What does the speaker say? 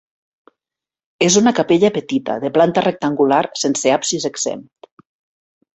És una capella petita, de planta rectangular, sense absis exempt.